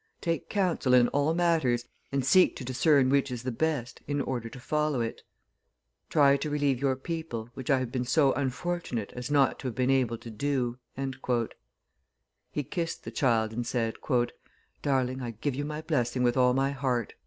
Take counsel in all matters, and seek to discern which is the best in order to follow it. Try to relieve your people, which I have been so unfortunate as not to have been able to do." He kissed the child, and said, "Darling, I give you my blessing with all my heart."